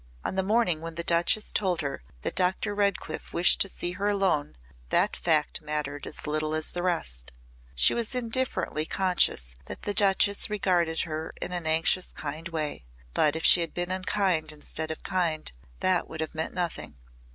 On the morning when the Duchess told her that Dr. Redcliff wished to see her alone that fact mattered as little as the rest. She was indifferently conscious that the Duchess regarded her in an anxious kind way, but if she had been unkind instead of kind that would have meant nothing.